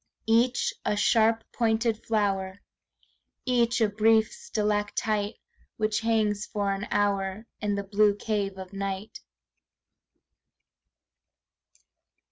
Each a sharp pointed flower, Each a brief stalactite Which hangs for an hour In the blue cave of night.